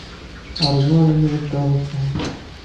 Ṛju arma d azekka taṣebḥit.